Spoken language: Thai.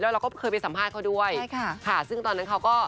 และเราก็เคยไปสัมภาษณ์ข้าด้วยซึ่งตอนนั้นเขาก็ค่ะ